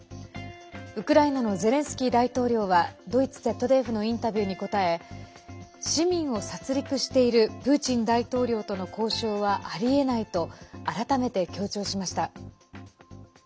ウクライナのゼレンスキー大統領はドイツＺＤＦのインタビューに答え市民を殺りくしているプーチン大統領との交渉はありえないと改めて強調しました。